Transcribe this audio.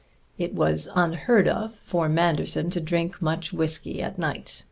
It was unheard of for Manderson to drink much whisky at night.